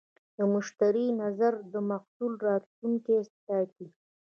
د مشتری نظر د محصول راتلونکی ټاکي.